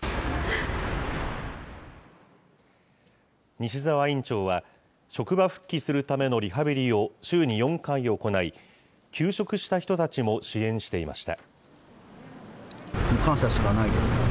西澤院長は、職場復帰するためのリハビリを週に４回行い、休職した人たちも支援していました。